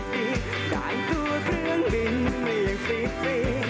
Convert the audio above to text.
กลายตัวเครื่องบินไม่ยังฟรี